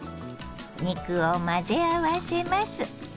肉を混ぜ合わせます。